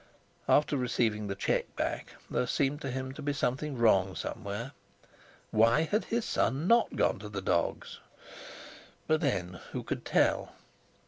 After receiving the cheque back there seemed to him to be something wrong somewhere. Why had his son not gone to the dogs? But, then, who could tell?